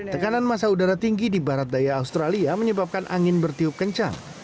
tekanan masa udara tinggi di barat daya australia menyebabkan angin bertiup kencang